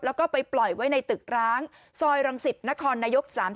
แล้วก็ไปปล่อยไว้ในตึกร้างซอยรังสิตนครนายก๓๔